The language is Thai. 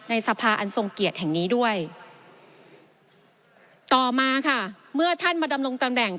สภาอันทรงเกียรติแห่งนี้ด้วยต่อมาค่ะเมื่อท่านมาดำรงตำแหน่ง